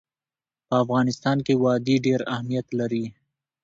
په افغانستان کې وادي ډېر اهمیت لري.